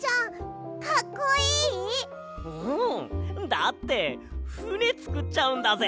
だってふねつくっちゃうんだぜ！